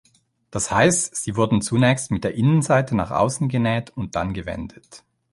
Das heißt, sie wurden zunächst mit der Innenseite nach außen genäht und dann gewendet.